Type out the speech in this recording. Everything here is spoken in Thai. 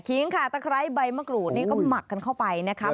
ิ้งค่ะตะไคร้ใบมะกรูดนี่ก็หมักกันเข้าไปนะครับ